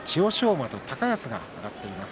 馬と高安が上がっています。